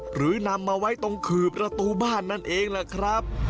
หรือนำมาไว้ตรงขื่อประตูบ้านนั่นเองแหละครับ